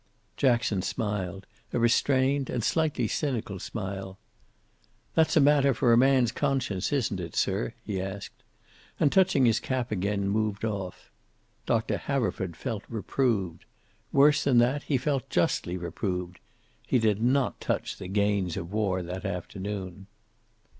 Jackson smiled, a restrained and slightly cynical smile. "That's a matter for a man's conscience, isn't it, sir?" he asked. And touching his cap again, moved off. Doctor Haverford felt reproved. Worse than that, he felt justly reproved. He did not touch the Gains of War that afternoon.